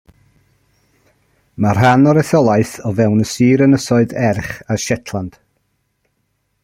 Mae rhan o'r etholaeth o fewn y sir Ynysoedd Erch a Shetland.